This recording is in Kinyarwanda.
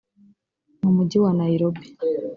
mu mujyi wa Nairobi